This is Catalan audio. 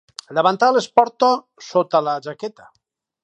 El davantal es porta sota la jaqueta.